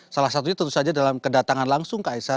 salah satunya tentu saja dalam kedatangan langsung kaisar